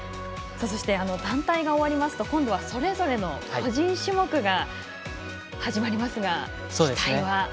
そして、団体が終わりますと今度はそれぞれの個人種目が始まりますが、期待は？